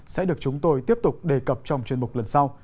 sẽ được chúng tôi tiếp tục đề cập trong chuyên mục lần sau